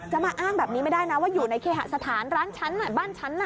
มาอ้างแบบนี้ไม่ได้นะว่าอยู่ในเคหสถานร้านฉันน่ะบ้านฉันน่ะ